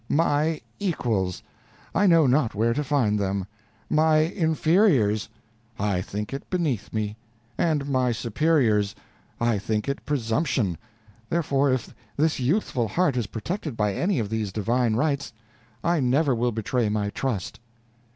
My equals! I know not where to find them. My inferiors! I think it beneath me; and my superiors! I think it presumption; therefore, if this youthful heart is protected by any of the divine rights, I never will betray my trust."